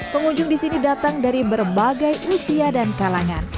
pengunjung di sini datang untuk mencoba makanan yang terbaik